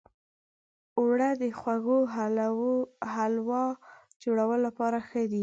اوړه د خوږو حلوو جوړولو لپاره ښه دي